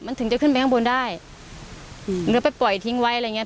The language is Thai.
มันถึงจะขึ้นไปข้างบนได้อืมหรือไปปล่อยทิ้งไว้อะไรอย่างเงี้